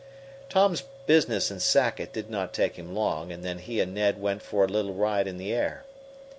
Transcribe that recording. Tom's business in Sackett did not take him long, and then he and Ned went for a little ride in the air.